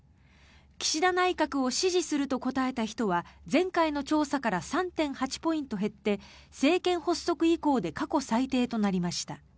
岸田内閣を支持すると答えた人は前回の調査から３．８ポイント減って政権発足以降で過去最低となりました。